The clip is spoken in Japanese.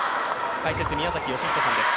解説は宮崎義仁さんです。